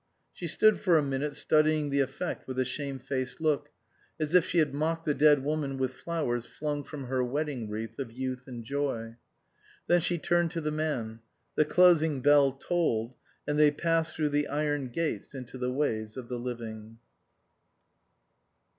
She stood for a minute studying the effect with a shame faced look, as if she had mocked the dead woman with flowers flung from her wedding wreath of youth and joy. Then she turned to the man ; the closing bell tolled, and they passed through the iron gates into the ways of the living.